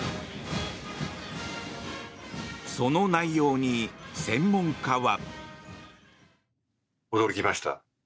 その内容に専門家は。